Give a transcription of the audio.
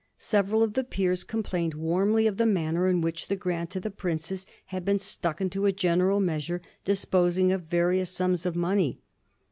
Several of the peers complained warmly of the manner in which the grant to the princess had been stuck into a general measure disposing of various sums of money.